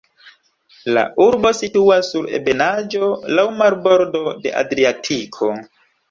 La urbo situas sur ebenaĵo, laŭ marbordo de Adriatiko.